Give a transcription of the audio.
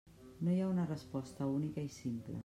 No hi ha una resposta única i simple.